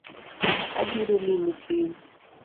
Abiro limi kiny